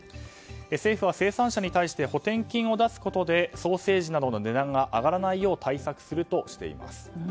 政府は生産者に対して補填金を出すことでソーセージなどの値段が上がらないよう対策するとしています。